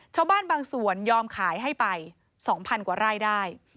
ชาวบ้านบางส่วนยอมขายให้ไป๒๐๐๐กว่าไร่ได้